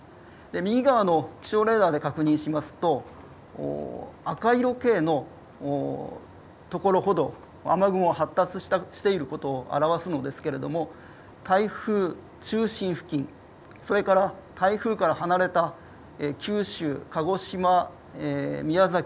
右側の気象レーダーで確認すると赤色系のところほど雨雲が発達していることを表すのですけれども、台風中心付近それから台風から離れた九州、鹿児島、宮崎、